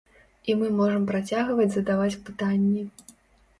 І мы можам працягваць задаваць пытанні.